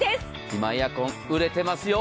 今、エアコン売れてますよ